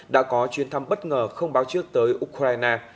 đã có chuyến thăm bất ngờ không báo trước tới ukraine